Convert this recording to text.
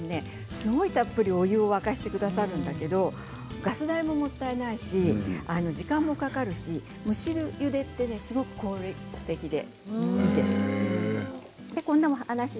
すごくたっぷりお湯を沸かしてくださるんだけれどガス代ももったいないし時間もかかるし蒸しゆでがすごく効率的でいいんですよ。